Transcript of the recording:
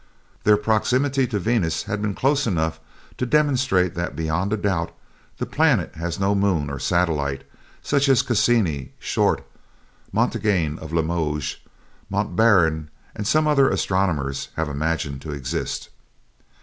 Their proximity to Venus had been close enough to demonstrate that beyond a doubt that planet has no moon or satellite such as Cassini, Short, Montaigne of Limoges, Montbarron, and some other astronomers have imagined to exist.